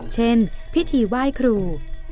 เช่นพิธีว่ายครู